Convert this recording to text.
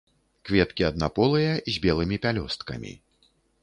Кветкі аднаполыя, з белымі пялёсткамі.